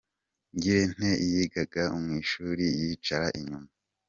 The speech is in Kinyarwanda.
Ngirente yigaga mu ishuli yicara inyuma.